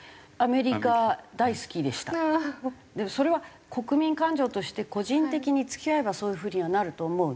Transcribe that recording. でもそれは国民感情として個人的に付き合えばそういう風にはなると思う。